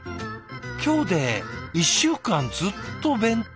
「今日で１週間ずっと弁当。